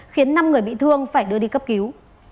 khiến năm người bị thương phải đưa đi cấp cứu